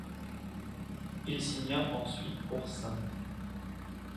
Il signa ensuite pour St.